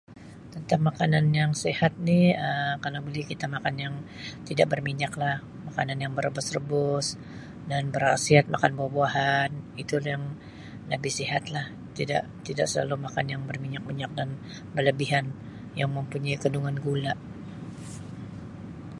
Tentang makanan yang sihat ni Um kalau boleh kita makan yang tidak berminyak lah makanan yang berebus-rebus dan berkhasiat makan buah-buahan itu lah yang lebih sihat lah tidak tidak selalu makan yang berminyak-minyak dan berlebihan yang mempunyai kandungan gula.